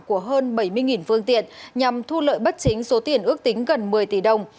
của hơn bảy mươi phương tiện nhằm thu lợi bất chính số tiền ước tính gần một mươi tỷ đồng